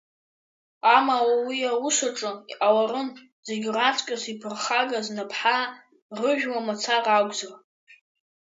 Амала уи аус аҿы, иҟаларын, зегь раҵкыс иԥырхагаз наԥҳаа рыжәла мацара акәзар.